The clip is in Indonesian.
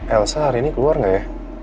elsa hari ini keluar nggak ya